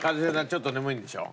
ちょっと眠いんでしょ？